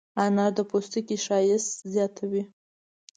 انار د پوستکي ښایست زیاتوي.